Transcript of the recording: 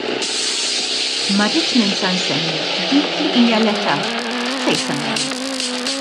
Ma rridx ninsa nsemmi dik li hija l-età: Fejn se mmorru?